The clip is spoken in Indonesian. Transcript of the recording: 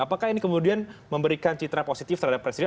apakah ini kemudian memberikan citra positif terhadap presiden